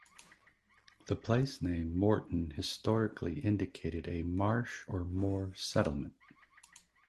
The place name Morton historically indicated a "marsh or moor settlement".